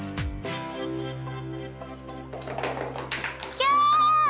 キャ！